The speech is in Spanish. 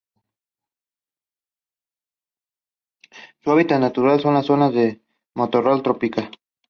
Su hábitat natural son las zonas de matorral tropical.